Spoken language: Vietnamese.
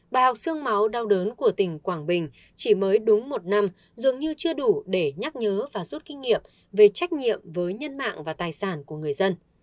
bài học sương máu đau đớn của tỉnh quảng bình chỉ mới đúng một năm dường như chưa đủ để nhắc nhớ và rút kinh nghiệm về trách nhiệm với nhân mạng và tài sản của người dân